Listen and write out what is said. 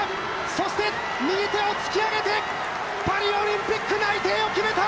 そして、右手を突き上げてパリオリンピック内定を決めた！